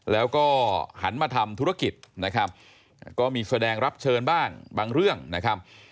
แล้วก็หันมาทำธุรกิจนะครับก็มีแสดงรับเชิญบ้างบางเรื่องนะครับ